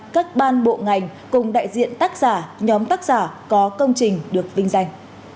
các ban bộ ngành cùng đại diện tác giả nhóm tác giả có công trình được vinh danh